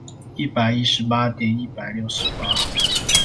一百一十八點一百六十八